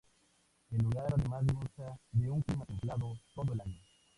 El lugar además goza de un clima templado todo el año.